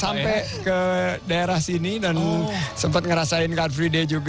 sampai ke daerah sini dan sempat ngerasain car free day juga